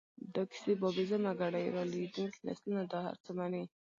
دا کیسې بابیزه مه ګڼئ، را لویېدونکي نسلونه دا هر څه مني.